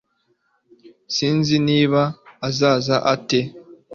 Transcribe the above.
sinzi niba azaza ate